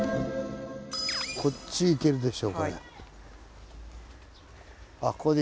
こっち行けるでしょこれ。